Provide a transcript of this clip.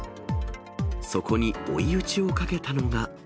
そこに追い打ちをかけたのが。